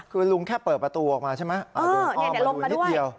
คือลุงแค่เปิดประตูออกมาใช่ไหมเออเดี๋ยวเดี๋ยวลงมาด้วยนิดเดียว